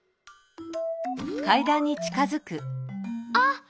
あっ！